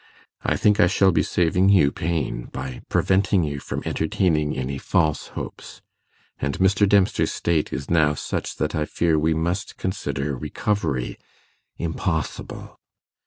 I think I shall be saving you pain by preventing you from entertaining any false hopes, and Mr. Dempster's state is now such that I fear we must consider recovery impossible.